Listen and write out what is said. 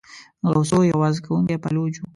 غوثو یو آزار کوونکی پایلوچ وو.